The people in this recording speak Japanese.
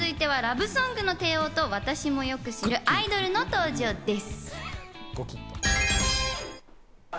続いてはラブソングの帝王と、私もよく知るアイドルの登場です。